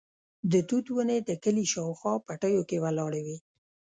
د توت ونې د کلي شاوخوا پټیو کې ولاړې وې.